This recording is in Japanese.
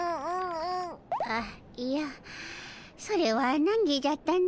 あいやそれはなんぎじゃったの。